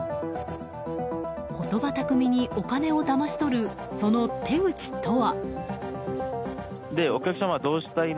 言葉巧みにお金をだまし取るその手口とは。